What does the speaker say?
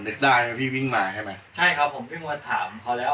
ใช่ครับพี่มัวถ๊าของเขาแล้ว